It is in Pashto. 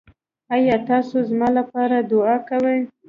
ایا تاسو زما لپاره دعا کوئ؟